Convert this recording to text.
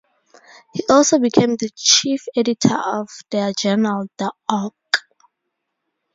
He also became the chief editor of their journal, "The Auk".